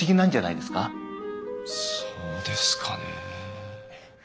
そうですかね。